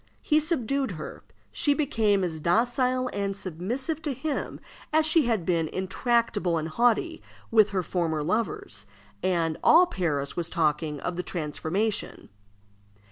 He subdued her. She became as docile and submissive to him as she had been intractable and haughty with her former lovers, and all Paris was talking of the transformation.